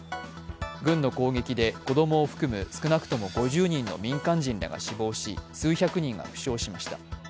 軍の攻撃で子どもを含む少なくとも５０人の民間人らが死亡し数百人が負傷しました。